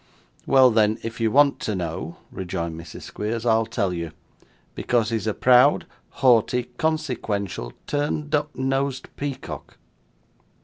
'Well, then, if you want to know,' rejoined Mrs. Squeers, 'I'll tell you. Because he's a proud, haughty, consequential, turned up nosed peacock.